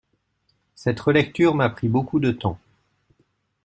Cette relecture m'a pris beaucoup de temps.